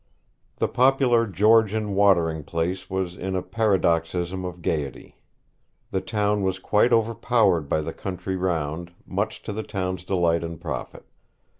The popular Georgian watering place was in a paroxysm of gaiety. The town was quite overpowered by the country round, much to the town's delight and profit.